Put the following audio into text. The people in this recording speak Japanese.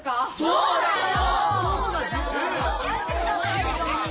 そうだよ！